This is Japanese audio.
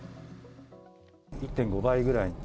１．５倍ぐらい。